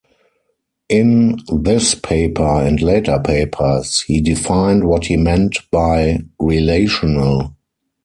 In this paper and later papers, he defined what he meant by "relational".